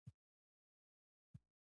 انسانان د ازادۍ حق لري.